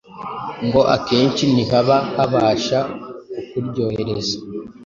ngo akenshi ntihaba habasha kukuryohereza